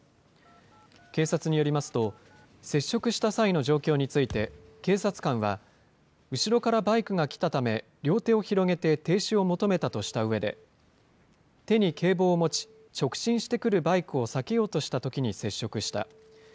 警察によりますと、接触した際の状況について、警察官は、後ろからバイクが来たため、両手を広げて停止を求めたとしたうえで、手に警棒を持ち、直進してくるバイクを避けようとしたときに接触した。